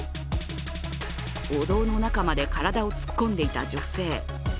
お堂の中まで体を突っ込んでいた女性。